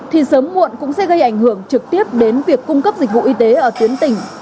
thì sớm muộn cũng sẽ gây ảnh hưởng trực tiếp đến việc cung cấp dịch vụ y tế ở tuyến tỉnh